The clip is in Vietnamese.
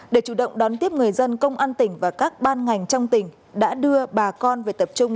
để chủ động đón tiếp người dân công an tỉnh và các ban ngành trong tỉnh đã đưa bà con về tập trung